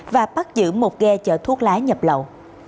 và bắt giữ một ghe chở thuốc lá nhập lậu